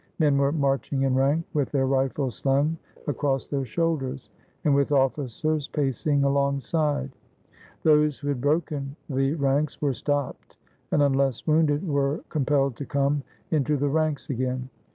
Men were marching in rank, with their rifles slung across their shoulders, and with officers pacing alongside. Those who had broken the ranks were stopped, and unless wounded were com pelled to come into the ranks again.